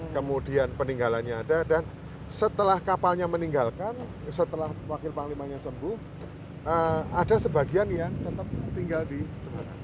kemudian peninggalannya ada dan setelah kapalnya meninggalkan setelah wakil panglimanya sembuh ada sebagian yang tetap tinggal di semarang